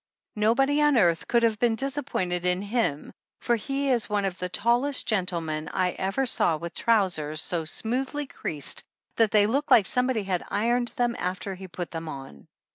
Nobody on earth could have been dis appointed in him for he is one of the tallest gentlemen I ever saw with trousers so smoothly creased that they look like somebody had ironed them after he put them on.